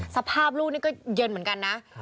สภาพลูกนี่ก็เย็นเหมือนกันนะ